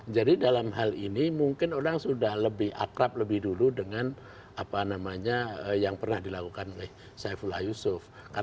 jadi dalam hal ini mungkin orang sudah lebih akrab lebih dulu dengan apa namanya yang pernah dilakukan oleh saifulah yusuf